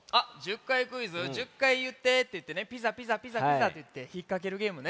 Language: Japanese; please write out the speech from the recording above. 「１０かいいって」っていってね「ピザピザピザピザ」っていってひっかけるゲームね。